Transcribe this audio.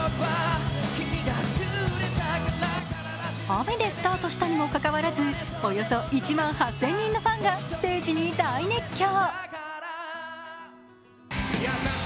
雨でスタートしたにもかかわらずおよそ１万８０００人のファンがステージに大熱狂。